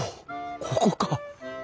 ここか。